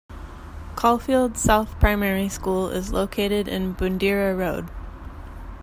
Caulfield South Primary School is located in Bundeera Road.